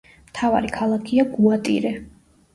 მთავარი ქალაქია გუატირე.